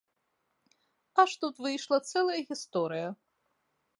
Аж тут выйшла цэлая гісторыя.